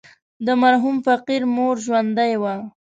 د مرحوم فقير مور ژوندۍ وه.